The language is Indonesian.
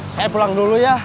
saya pulang dulu ya